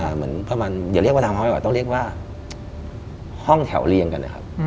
เหมือนประมาณอย่าเรียกว่าทาวน์เฮาส์ต้องเรียกว่าห้องแถวเรียงกัน